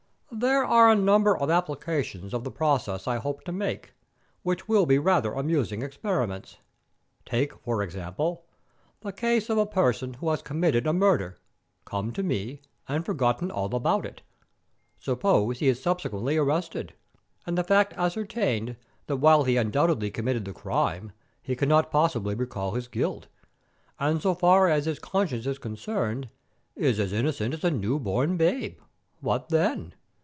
"There are a number of applications of the process I hope to make, which will be rather amusing experiments. Take, for instance, the case of a person who has committed a murder, come to me, and forgotten all about it. Suppose he is subsequently arrested, and the fact ascertained that while he undoubtedly committed the crime, he cannot possibly recall his guilt, and so far as his conscience is concerned, is as innocent as a new born babe, what then?